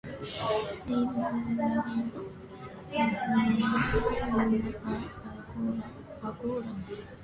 Slaves labeled as 'Minas' and 'Angolas' rose in high demand during the boom.